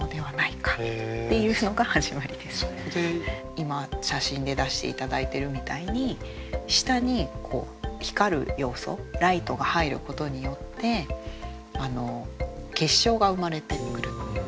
今写真で出して頂いてるみたいに下に光る要素ライトが入ることによって結晶が生まれてくる。